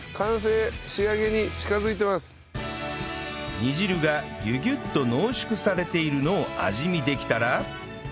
煮汁がギュギュッと濃縮されているのを味見できたら